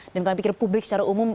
dan kami pikir publik secara umum